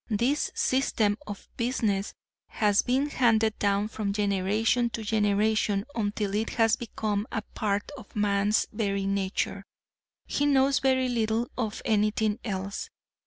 This system of business has been handed down from generation to generation until it has become a part of man's very nature. He knows very little of anything else.